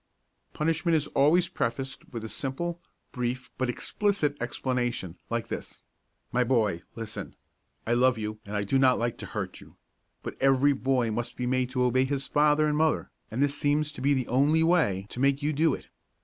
Punishment is always prefaced with a simple, brief, but explicit explanation, like this: "My boy, listen: I love you and I do not like to hurt you. But, every boy must be made to obey his father and mother, and this seems to be the only way to make you do it.